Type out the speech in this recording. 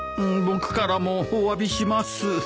僕からもおわびします。